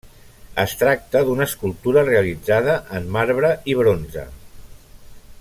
Es tracta d'una escultura realitzada en marbre i bronze.